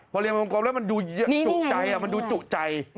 พอเรียนวงกลมแล้วมันดูจุใจมันดูจุใจ